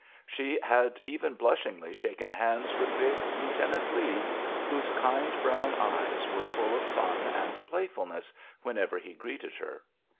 She had even blushingly shaken hands with big Lieutenant Lee, whose kind brown eyes were full of fun and playfulness whenever he greeted her.